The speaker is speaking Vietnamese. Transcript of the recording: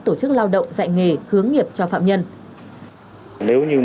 tổ chức lao động dạy nghề hướng nghiệp cho phạm nhân